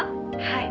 「はい」